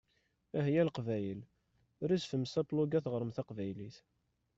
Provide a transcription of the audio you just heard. Ahya Leqbayel! Rezfem s ablug-a teɣrem taqbaylit.